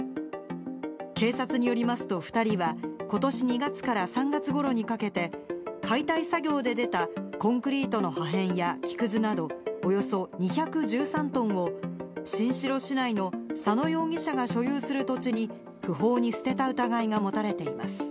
警察によりますと２人は、ことし２月から３月ごろにかけて、解体作業で出たコンクリートの破片や木くずなど、およそ２１３トンを新城市内の佐野容疑者が所有する土地に不法に捨てた疑いが持たれています。